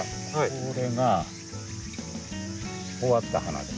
これが終わった花です。